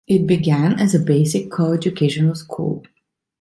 It began as a basic co-educational school.